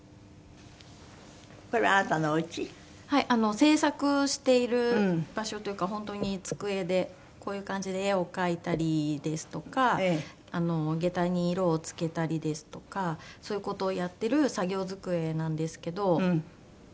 制作している場所というか本当に机でこういう感じで絵を描いたりですとか下駄に色を付けたりですとかそういう事をやってる作業机なんですけど。